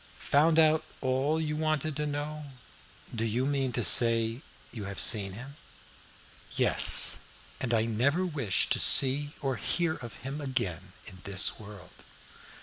"Found out all you wanted to know? Do you mean to say you have seen him?" "Yes, and I never wish to see or hear of him again in this world.